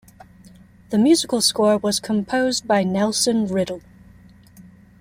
The musical score was composed by Nelson Riddle.